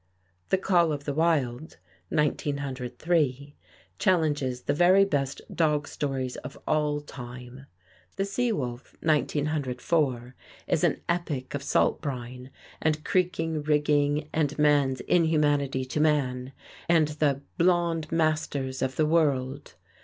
"The Call of the Wild" (1903) challenges the very best dog stories of all time. "The Sea Wolf" (1904) is an epic of salt brine, and creaking rigging, and man's inhumanity to man, and the "blond masters of the world."